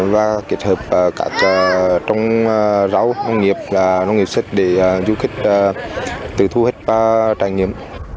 và kết hợp cả trong rau nông nghiệp nông nghiệp xích để du khách tự thu hết trải nghiệm